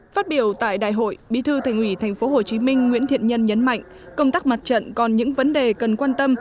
phát biểu tại đại hội bí thư thành ủy tp hcm nguyễn thiện nhân nhấn mạnh công tác mặt trận còn những vấn đề cần quan tâm